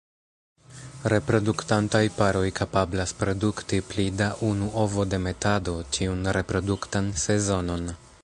Reproduktantaj paroj kapablas produkti pli da unu ovodemetado ĉiun reproduktan sezonon.